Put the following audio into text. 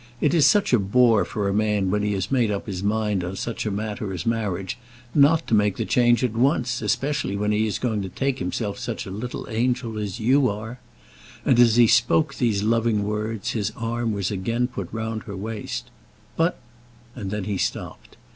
It is such a bore for a man when he has made up his mind on such a matter as marriage, not to make the change at once, especially when he is going to take to himself such a little angel as you are," and as he spoke these loving words, his arm was again put round her waist; "but " and then he stopped.